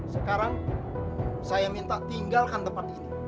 sekarang saya minta tinggalkan tempat ini